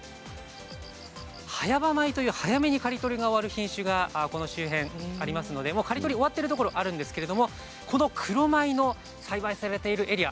早場米という早めに刈り取りが終わる品種がこの周辺ありますのでもう刈り取りが終わっているところがあるんですけれどこの黒米の栽培されているエリア